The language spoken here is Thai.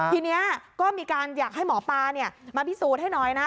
ทีนี้ก็มีการอยากให้หมอปลามาพิสูจน์ให้หน่อยนะ